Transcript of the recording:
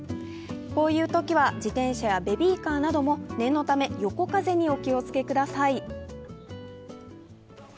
こういうときは自転車やベビーカーなども念のため横風にお気をつけください。